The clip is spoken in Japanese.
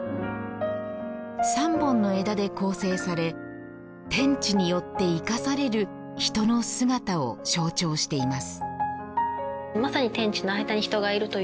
３本の枝で構成され天地によって生かされる人の姿を象徴しています。